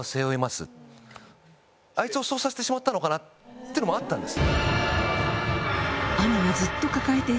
ってのもあったんです。